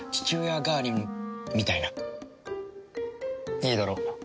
いいだろう。